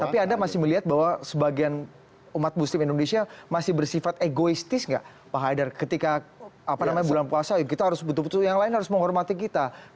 tapi anda masih melihat bahwa sebagian umat muslim indonesia masih bersifat egoistis nggak pak haidar ketika bulan puasa kita harus betul betul yang lain harus menghormati kita